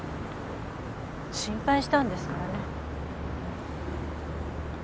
心配したんですからね。